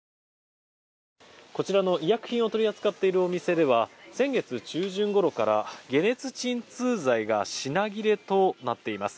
こちらの医薬品を取り扱っているお店では先月中旬ごろから解熱鎮痛剤が品切れとなっています。